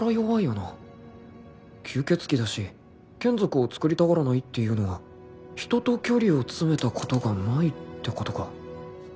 吸血鬼だし眷属をつくりたがらないっていうのは人と距離を詰めたことがないってことか